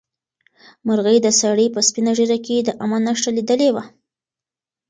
مرغۍ د سړي په سپینه ږیره کې د امن نښه لیدلې وه.